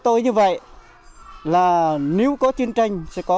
tôi mới làm theo